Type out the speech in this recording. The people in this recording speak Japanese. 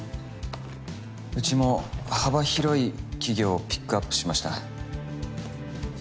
うちも幅広い企業をピックアップしました。